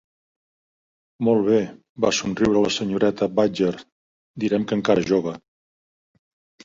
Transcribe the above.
"Molt bé", va somriure la senyoreta Badger, "direm que encara jove".